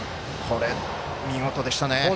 見事でしたね。